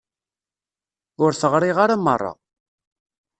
Ur t-ɣriɣ ara merra.